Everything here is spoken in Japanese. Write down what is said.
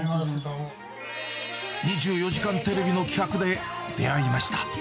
２４時間テレビの企画で出会いました。